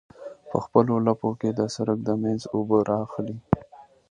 په خپلو لپو کې د سرک د منځ اوبه رااخلي.